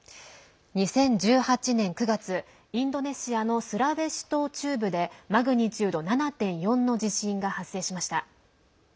２０１８年９月インドネシアのスラウェシ島中部でマグニチュード７．４の地震が発生しました。